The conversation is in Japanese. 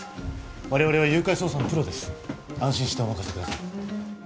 我々は誘拐捜査のプロです安心してお任せください